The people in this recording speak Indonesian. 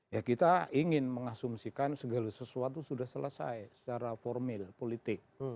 ya kita ingin mengasumsikan segala sesuatu sudah selesai secara formil politik